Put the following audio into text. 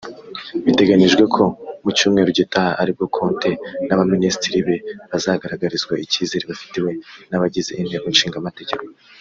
Biteganyijwe ko mu cyumweru gitaha aribwo Conte n’abaminisitiri be bazagaragarizwa icyizere bafitiwe n’abagize inteko ishinga amategeko